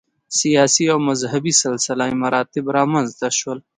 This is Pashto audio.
سیاسي او مذهبي سلسله مراتب رامنځته شول.